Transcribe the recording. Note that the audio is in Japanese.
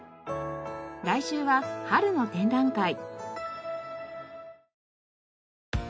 来週は春の展覧会。